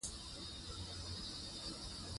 افغانستان کې ښارونه د خلکو خوښې وړ ځای دی.